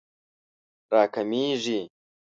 راکمېږي